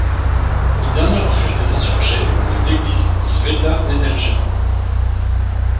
Le dernier refuge des insurgés fut l'église Sveta Nedelja.